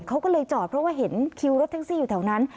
เขาก็เลยจอดเพราะว่าเห็นคิวรถแท็กซี่อยู่แถวนั้น